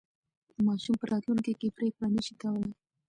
ماشوم په راتلونکي کې پرېکړې نه شي کولای.